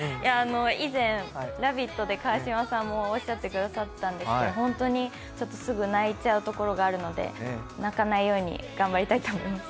以前「ラヴィット！」で川島さんもおっしゃってくださったんですけど、本当にすぐ泣いちゃうところがあるので泣かないように頑張りたいと思います。